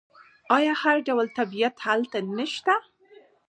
آیا هر ډول طبیعت هلته نشته؟